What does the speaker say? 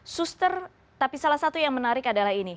suster tapi salah satu yang menarik adalah ini